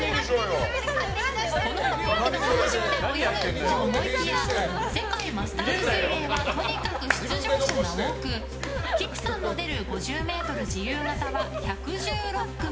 この雰囲気の会場で泳ぐと思いきや世界マスターズ水泳はとにかく出場者が多くきくさんの出る５０ｍ自由形は１１６組。